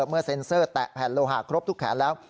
เมื่อเซ็นเซอร์แตะแผ่นโลหะครบทุกแขนแล้ว